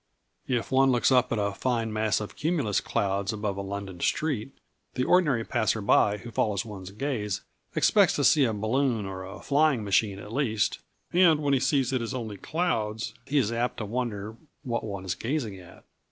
If one looks up at a fine mass of cumulus clouds above a London street, the ordinary passer by who follows one's gaze expects to see a balloon or a flying machine at least, and when he sees it is only clouds he is apt to wonder what one is gazing at.